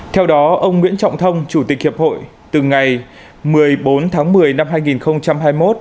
theo đó ông nguyễn trọng thông chủ tịch hiệp hội từ ngày một mươi bốn tháng một mươi năm hai nghìn hai mươi một